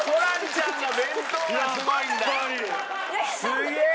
すげえ！